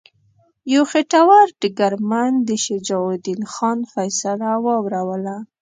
یو خیټور ډګرمن د شجاع الدین خان فیصله واوروله.